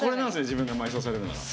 自分が埋葬されるなら。